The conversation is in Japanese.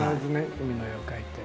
海の絵を描いて。